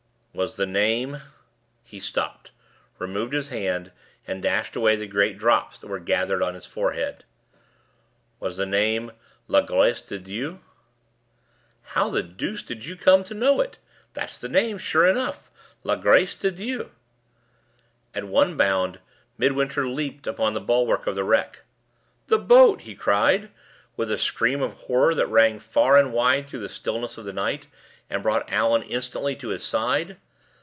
"Was the name ?" He stopped, removed his hand, and dashed away the great drops that were gathering on his forehead. "Was the name La Grace de Dieu?" "How the deuce did you come to know it? That's the name, sure enough. La Grace de Dieu." At one bound, Midwinter leaped on the bulwark of the wreck. "The boat!" he cried, with a scream of horror that rang far and wide through the stillness of the night, and brought Allan instantly to his side.